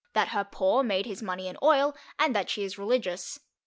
that her paw made his money in oil, and that she is religious.